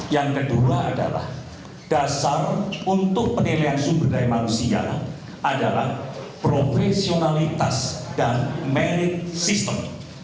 yang kedua adalah dasar untuk penilaian sumber daya manusia adalah profesionalitas dan merit system